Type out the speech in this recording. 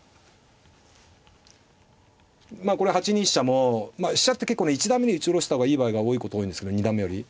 まあこれ８二飛車もまあ飛車って結構ね一段目に打ち下ろした方がいい場合が多いこと多いんですけど二段目より。